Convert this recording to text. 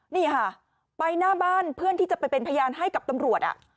นี่ค่ะไปหน้าบ้านเพื่อที่จะไปเป็นพยานให้กับตำรวจ